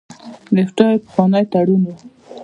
نفټا یو پخوانی تړون و.